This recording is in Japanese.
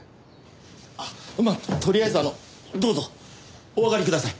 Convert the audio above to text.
あっまあとりあえずあのどうぞお上がりください。